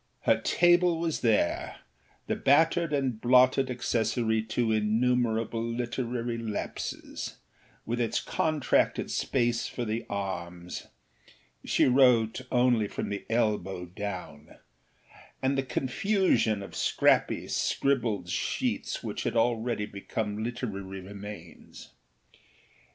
Her table was there, the battered and blotted accessory to innumerable literary lapses, with its contracted space for the arms (she wrote only from the elbow down) and the confusion of scrappy, scribbled sheets which had already become literary remains.